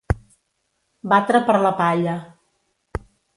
Batre per la palla.